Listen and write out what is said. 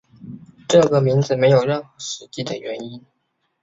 这个名字没有任何实际的原因。